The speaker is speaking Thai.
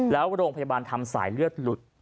แล้วโรงพยาบาลทำสายเลือดหลุด